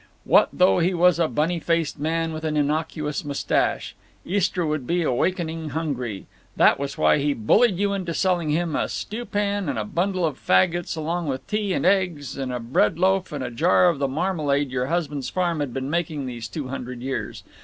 What though he was a bunny faced man with an innocuous mustache? Istra would be awakening hungry. That was why he bullied you into selling him a stew pan and a bundle of faggots along with the tea and eggs and a bread loaf and a jar of the marmalade your husband's farm had been making these two hundred years.